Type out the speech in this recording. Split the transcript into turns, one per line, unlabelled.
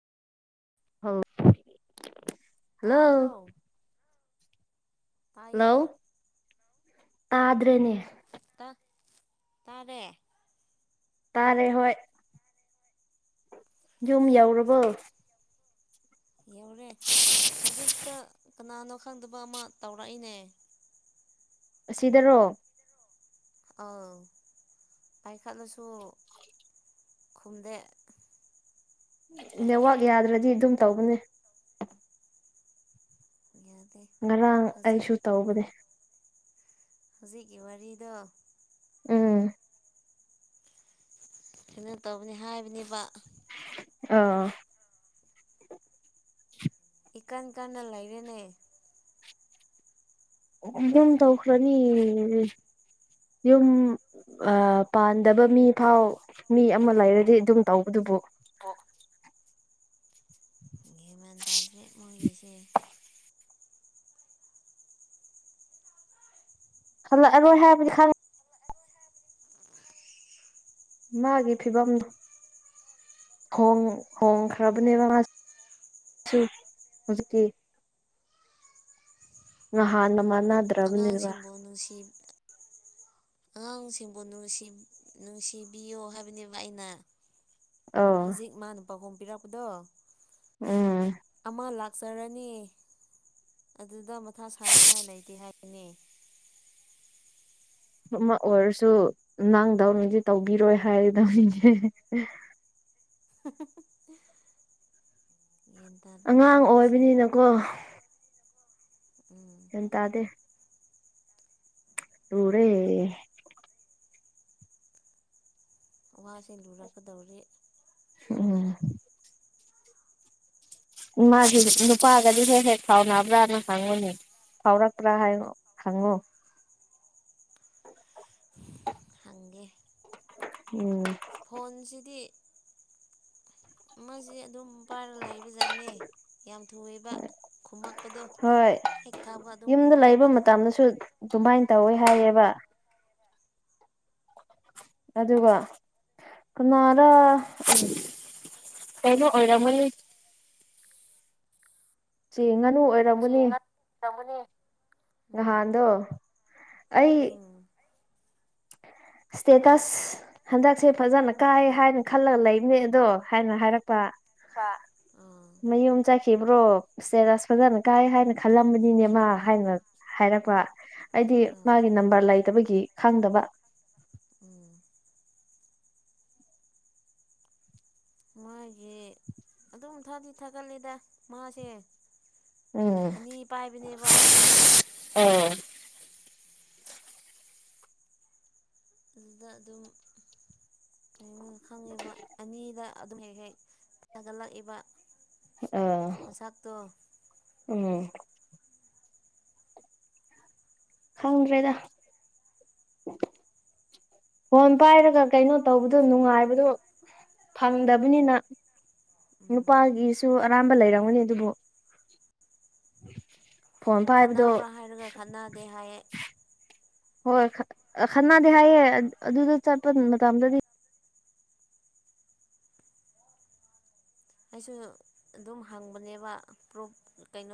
[inaudible] hello
ꯇꯥꯕ꯭ꯔꯣ ꯇꯥꯏꯌꯦ
hello ꯇꯥꯗ꯭ꯔꯦꯅꯦ
ꯇ ꯇꯥꯔꯦ
ꯇꯥꯔꯦ ꯍꯣꯏ ꯌꯨꯝ ꯌꯧꯔꯕꯣ
ꯌꯧꯔꯦ ꯍꯧꯖꯤꯛꯇ ꯀꯅꯥꯅꯣ ꯈꯪꯗꯕ ꯑꯃ ꯇꯧꯔꯛꯏꯅꯦ
ꯑꯁꯤꯗꯔꯣ
ꯑꯥꯎ ꯄꯥꯏꯈꯠꯂꯁꯨ ꯈꯨꯝꯗꯦ
ꯅꯦꯠꯋꯥꯛ ꯌꯥꯗ꯭ꯔꯗꯤ ꯑꯗꯨꯝ ꯇꯧꯕꯅꯦ
ꯌꯗ‌ꯦ
ꯉꯔꯥꯡ ꯑꯩꯁꯨ ꯇꯧꯕꯅꯦ
ꯍꯧꯖꯤꯛꯀꯤ ꯋꯥꯔꯤꯗ‌ꯣ
ꯎꯝ
ꯀꯩꯅꯣ ꯇꯧꯕꯅꯤ ꯍꯥꯏꯕꯅꯦꯕ
ꯑ
ꯏꯀꯥꯟ ꯀꯟꯅ ꯂꯩꯔꯦꯅꯦ
ꯗꯨꯝ ꯇꯧꯈ꯭ꯔꯅꯤ ꯌꯨꯝ ꯑꯥ ꯄꯥꯟꯗꯕ ꯃꯤ ꯐꯥꯎ ꯃꯤ ꯑꯃ ꯂꯩꯔꯗꯤ ꯑꯗꯨꯝ ꯇꯧꯕꯗꯨꯕꯨ
ꯒ꯭ꯌꯥꯟ ꯃꯥꯟ ꯇꯥꯗ꯭ꯔꯦ ꯃꯣꯏꯒꯤꯁꯦ
ꯍꯜꯂꯛꯑꯔꯣꯏ ꯍꯥꯏꯕꯗꯤ ꯈꯪ ꯃꯥꯒꯤ ꯐꯤꯕꯝ ꯍ‌ꯣꯡꯡ ꯍꯣꯡꯈ꯭ꯔꯕꯅꯦꯕ ꯃꯥ [unintelligible] ꯍꯧꯖꯤꯛꯀꯤ ꯃꯍꯥꯟ ꯃꯅꯥꯗ
ꯑꯉꯥꯡꯁꯤꯡꯕꯨ ꯅꯨꯡꯁꯤ
[inaudible]
ꯑꯉꯥꯡꯁꯤꯡꯕꯨ ꯅꯨꯡ ꯅꯨꯡꯁꯤꯕꯤꯌꯣ ꯍꯥꯏꯕꯅꯦꯕ ꯑꯩꯅ
ꯑꯧ
ꯍꯧꯖꯤꯛ ꯃꯥꯅ ꯄꯥꯎꯈꯨꯝ ꯄꯤꯔꯛꯄꯗꯣ
ꯎꯝ
ꯑꯃ ꯂꯥꯛꯆꯔꯅꯤ ꯑꯗꯨꯗ ꯃꯊꯥ ꯁꯥꯅꯤꯡꯉꯥꯏ ꯂꯩꯇꯦ ꯍꯥꯏꯕꯅꯤ
ꯑꯃ ꯑꯣꯏꯔꯁꯨ ꯅꯪꯗꯧꯅꯗꯤ ꯇꯧꯕꯤꯔꯣꯏ ꯍꯥꯏꯌꯦ ꯅꫭꯏꯁꯦ
[unintelligible] ꯌꯦꯟ
ꯑꯉꯥꯡ ꯑꯣꯏꯕꯅꯤꯅꯀꯣ
ꯎꯝ
ꯒ꯭ꯌꯥꯟ ꯇꯥꯗꯦ ꯂꯨꯔꯦ
ꯋꯥꯁꯦ ꯂꯨꯔꯛꯀꯗꯧꯔꯤ
ꯎꯝ ꯃꯥꯒꯤ ꯅꯨꯄꯥꯒꯗꯤ ꯍꯦꯛ-ꯍꯦꯛ ꯁꯥꯎꯅꯕ꯭ꯔꯥꯅ ꯍꯪꯉꯨꯅꯦ ꯐꯥꯎꯔꯛꯄ꯭ꯔꯥ ꯍꯥꯏꯌꫭ ꯍꯪꯉꯣ
ꯍꯪꯒꯦ
ꯎꯝ
ꯐꯣꯟꯁꯤꯗꯤ ꯑꯃꯥꯁꯤ ꯑꯗꯨꯝ ꯄꯥꯏꯔꯒ ꯂꯩꯕꯖꯥꯠꯅꯦ ꯌꯥꯝ ꯊꯨꯏꯕ ꯈꯨꯝꯃꯛꯄꯗꯣ
ꯍꯣꯏ
ꯑꯦꯛ ꯊꯥꯕꯒ ꯑꯗꯨꯝ
ꯌꯨꯝꯗ
ꯈꯨꯃꯥꯛ
ꯂꯩꯕ ꯃꯇꯝꯗꯁꯨ ꯑꯗꯨꯃꯥꯏꯅ ꯇꯧꯋꯦ ꯍꯥꯏꯌꯦꯕ ꯑꯗꯨꯒ ꯀꯅꯥꯔ ꯀꯩꯅꯣ ꯑꯣꯏꯔꯝꯒꯅꯤ ꯆꯦ ꯉꯅꯨ
ꯆꯦ ꯉꯅꯨ ꯑꫭꯏꯔꯝꯒꯅꯤ
ꯅꯍꯥꯟꯗꯣ ꯑꯩ
ꯎꯝ
ꯏꯁꯇꯦꯇꯁ ꯍꯟꯗꯛꯁꯦ ꯐꯖꯅ ꯀꯥꯏ ꯍꯥꯏꯅ ꯈꯜꯂꯒ ꯂꯩꯕꯅꯦ ꯑꯗꯣ ꯍꯥꯏꯅ ꯍꯥꯏꯔꯛꯄ
ꯄꯥ ꯎꯝ
ꯌꯨꯝ ꯆꯥꯏꯈꯤꯕ꯭ꯔꯣ ꯏꯁꯇꯦꯔꯁ ꯐꯖꯅ ꯀꯥꯏ ꯍꯥꯏꯅ ꯈꯜꯂꯝꯕꯅꯤꯅꯦ ꯃꯥ ꯍꯥꯏꯅ ꯍꯥꯏꯔꯛꯄ ꯑꯩꯗꯤ ꯃꯥꯒꯤ ꯅꯝꯕꯔ ꯂꯩꯇꯕꯒꯤ ꯈꯪꯗꯕ
ꯎꯝ ꯃꯥꯒꯤ ꯑꯗꯨꯝ ꯊꯥꯗꯤ ꯊꯥꯒꯠꯂꯦꯗ ꯃꯥꯁꯦ
ꯎꯝ
ꯑꯅꯤ ꯄꯥꯏꯕꯅꯦꯕ
ꯑꯣ
ꯑꯗꯨꯗ ꯑꯗꯨꯝ ꯀꯩꯅꯣ ꯈꯪꯉꯤꯕ ꯑꯅꯤꯗꯥ ꯑꯗꯨꯝ ꯍꯦꯛ ꯍꯦꯛ ꯊꯥꯒꯠꯂꯛꯏꯕ
ꯑꯥ
ꯃꯆꯥꯛꯇꫭ
ꯎꯝ ꯈꯪꯗ꯭ꯔꯦꯗ ꯐꯣꯟ ꯄꯥꯏꯔꯒ ꯀꯩꯅꯣ ꯇꯧꯕꯗꯣ ꯅꯨꯡꯉꯥꯏꯕꯗꯣ ꯐꯪꯗꯕꯅꯤꯅ
ꯎꯝ
ꯅꯨꯄꯥꯒꯤꯁꯨ ꯑꯔꯥꯟꯕ ꯂꯩꯔꯝꯒꯅꯤ ꯑꯗꯨꯕꯨ ꯐꯣꯟ ꯄꯥꯏꯕꯗꯣ
ꯈꯠꯅꯕ꯭ꯔꯥ ꯍꯥꯏꯔꯒ ꯈꯠꯅꯗꯦ ꯍꯥꯏꯌꯦ
ꯍꯣꯏ ꯈꯅꯥꯗꯤ ꯍꯥꯏꯌꯦ ꯑꯗꯨꯗ ꯆꯠꯄ ꯃꯇꯝꯗꯗꯤ
ꯑꯩꯁꯨ ꯑꯗꯨꯝ ꯍꯪꯕꯅꯦꯕ ꯄꯨꯔꯞ ꯀꯩꯅꯣ